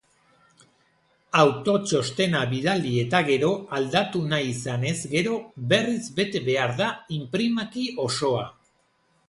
Autotxostena bidali eta gero aldatu nahi izanez gero, berriz bete behar da inprimaki osoa.